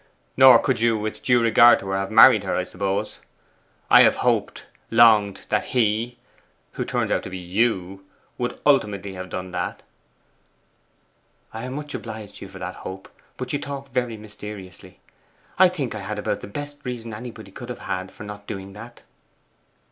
'Nor could you with due regard to her have married her, I suppose! I have hoped longed that HE, who turns out to be YOU, would ultimately have done that.' 'I am much obliged to you for that hope. But you talk very mysteriously. I think I had about the best reason anybody could have had for not doing that.